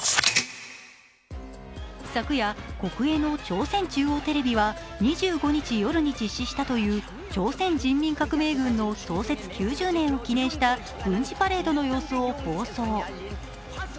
昨夜、国営の朝鮮中央テレビは２５日夜に実施したという朝鮮人民革命軍の創設９０年を記念した軍事パレードの様子を放送。